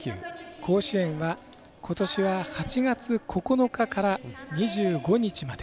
甲子園はことしは８月９日から２５日まで。